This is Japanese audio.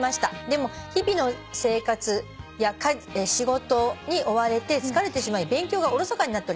「でも日々の生活や仕事に追われて疲れてしまい勉強がおろそかになっております」